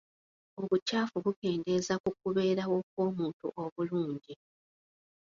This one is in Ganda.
Obukyafu bukendeeza ku kubeerawo kw'omuntu obulungi.